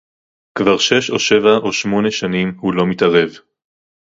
כבר שש או שבע או שמונה שנים הוא לא מתערב